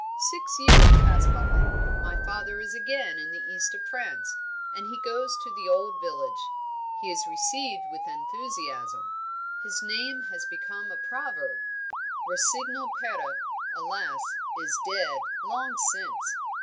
"Six years pass by. My father is again in the east of France, and he goes to the old village. He is received with enthusiasm; his name has become a proverb. Rossignol pere, alas, is dead, long since.